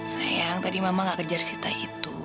sayang tadi mama gak kejar sita itu